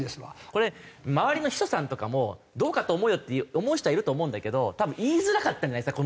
これ周りの秘書さんとかもどうかと思うよって思う人はいると思うんだけど多分言いづらかったんじゃないですか